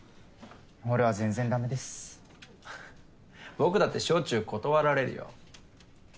僕だってしょっちゅう断られるよ。